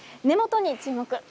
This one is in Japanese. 根元に注目！